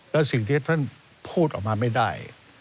แล้วสิ่งที่ท่านพูดออกมาไม่ได้